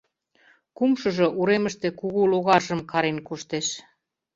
Кумшыжо уремыште кугу логаржым Карен коштеш.